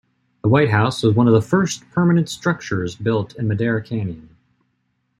The White House was one of the "first permanent structures" built in Madera Canyon.